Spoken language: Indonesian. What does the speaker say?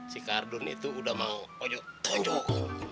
si kardun itu udah mang ojo tonjuk